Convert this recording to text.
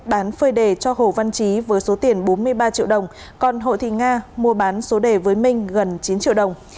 bán phơi đề cho hồ văn trí với số tiền bốn mươi ba triệu đồng còn hộ thị nga mua bán số đề với minh gần chín triệu đồng